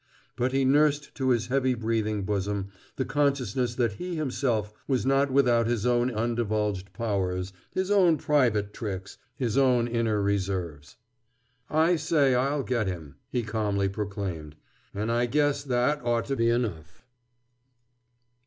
But he nursed to his heavy breathing bosom the consciousness that he himself was not without his own undivulged powers, his own private tricks, his own inner reserves. "I say I'll get him!" he calmly proclaimed. "And I guess that ought to be enough!"